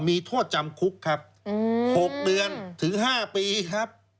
มีโทษจำคุกครับ๖เดือนถึง๕ปีครับ